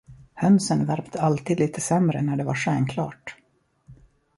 Hönsen värpte alltid lite sämre när det var stjärnklart.